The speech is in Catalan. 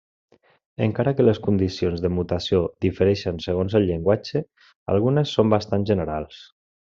Encara que les condicions de mutació difereixen segons el llenguatge, algunes són bastant generals.